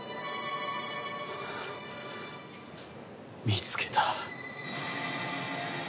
見つけた。